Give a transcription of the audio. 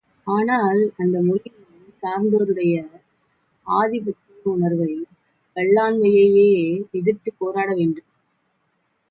ஆனால், அந்த மொழியினைச் சார்ந்தோருடைய ஆதிபத்திய உணர்வை வல்லாண்மையையே எதிர்த்துப் போராட வேண்டும்.